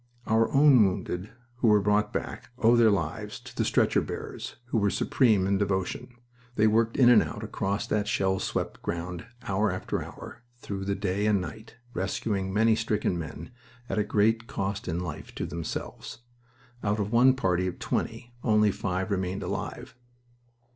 Our own wounded, who were brought back, owe their lives to the stretcher bearers, who were supreme in devotion. They worked in and out across that shell swept ground hour after hour through the day and night, rescuing many stricken men at a great cost in life to themselves. Out of one party of twenty only five remained alive.